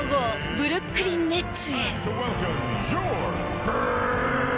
ブルックリン・ネッツ！